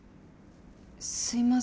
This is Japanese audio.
すいません。